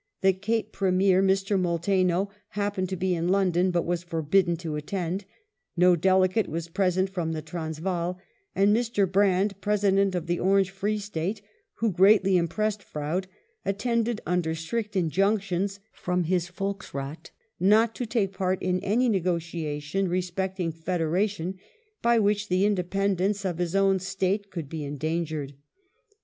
The Cape Premier, Mr. Molteno, happened to be in London but was forbidden to attend ; no delegate was present from the Transvaal ; and Mr. Brand, President of the Orange Free State (who greatly impressed Froude), attended under strict injunctions from his Volksraad not to take part in any negotia tions respecting federation by which the independence of his own state could be endangered.